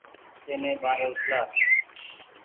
اي ني ٻآري اُڇلآ۔